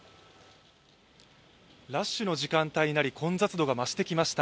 ラッシュの時間帯になり混雑度が増してきました。